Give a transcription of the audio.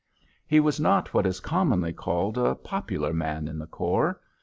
He was not what is commonly called a "popular man" in the corps.